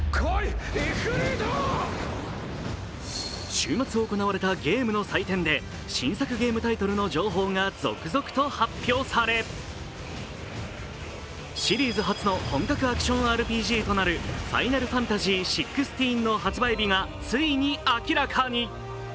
週末行われたゲームの祭典で新作ゲームタイトルの情報が続々と発表されシリーズ初の本格アクションＲＰＧとなる「ファイナルファンタジーＸＶＩ」の発売日がついに明らかに。